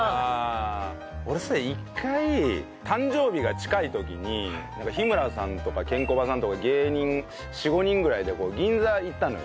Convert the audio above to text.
俺さ一回誕生日が近い時に日村さんとかケンコバさんとか芸人４５人ぐらいで銀座行ったのよ。